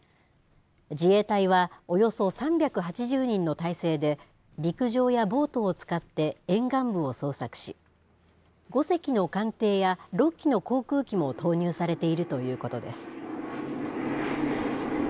自衛隊はおよそ３８０人の態勢で、陸上やボートを使って沿岸部を捜索し、５隻の艦艇や６機の航空機も投入されているということです。